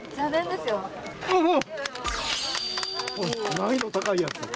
難易度高いやつ。